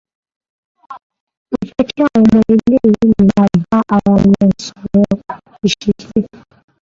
Mo fẹ́ kí àwọn ọmọ ilé ìwé mi máa bá ara wọn sọ̀rọ̀ ìṣítí